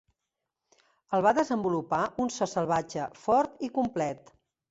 El va desenvolupar un so salvatge, fort i complet.